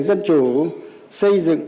dân chủ xây dựng